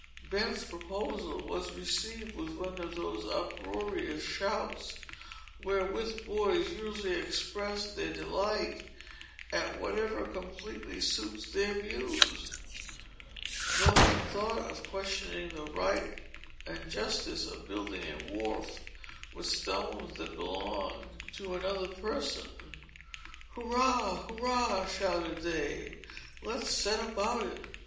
Ben's proposal was received with one of those uproarious shouts, wherewith boys usually express their delight at whatever completely suits their views. Nobody thought of questioning the right and justice of building a wharf, with stones that belonged to another person. "Hurrah, hurrah!" shouted they. "Let's set about it!"